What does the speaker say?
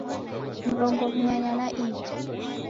Mrongo w'unyanya na iw'i